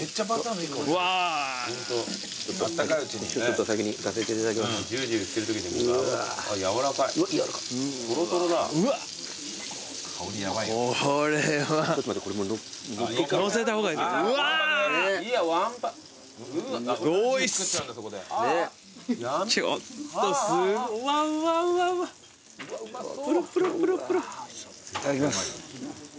いただきます。